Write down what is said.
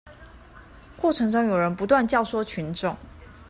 過程中有人不斷教唆群眾